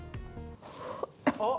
あっ。